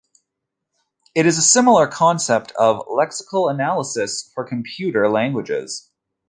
It is similar to the concept of lexical analysis for computer languages.